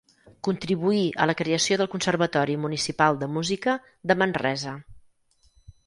Contribuí a la creació del Conservatori Municipal de Música de Manresa.